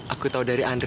aku tahu dari andre